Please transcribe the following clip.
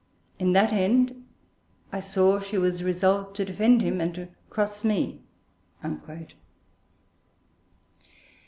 In that end, I saw she was resolved to defend him, and to cross me.